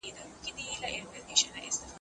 هغه سړي خپله عاجزي ښودلې ده.